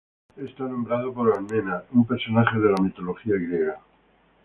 Está nombrado por Alcmena, un personaje de la mitología griega.